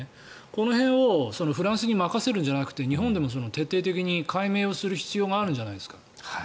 この辺をフランスに任せるんじゃなくて日本でも徹底的に解明をする必要があるんじゃないですか。